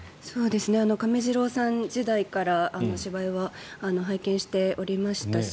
亀治郎さん時代から芝居は拝見しておりましたし